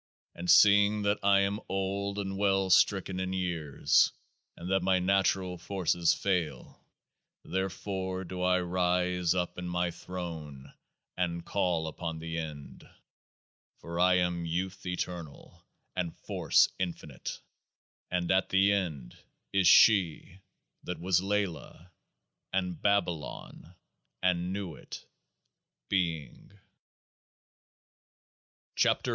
And seeing that I am old and well stricken in years, and that my natural forces fail, there fore do I rise up in my throne and call upon THE END. For I am youth eternal and force infinite. And at THE END is SHE that was LAY LAH, and BABALON, and NUIT, being 108 KEOAAH PA THE HEIKLE A. M. E.